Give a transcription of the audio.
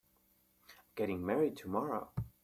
I'm getting married tomorrow.